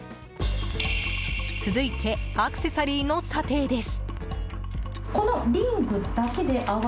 続いてアクセサリーの査定です。